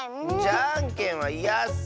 じゃんけんはいやッス！